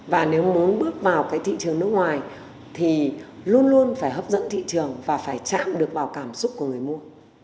và nếu muốn bước vào cái thị trường nước ngoài thì luôn luôn phải hấp dẫn thị trường và phải chạm được vào cảm xúc của người mua